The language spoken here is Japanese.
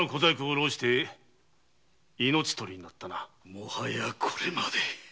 もはやこれまで。